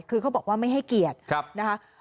คือเขาบอกว่าไม่ให้เกียรตินะคะ